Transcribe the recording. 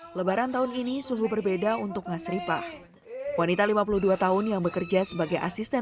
hai lebaran tahun ini sungguh berbeda untuk ngasri pah wanita lima puluh dua tahun yang bekerja sebagai asisten